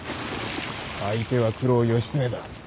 相手は九郎義経だ。